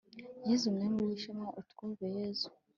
yezu mwami w'ishema utwumve yezu